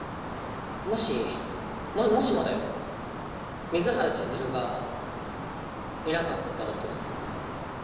もしあのもしもだよ水原千鶴がいなかったらどうする？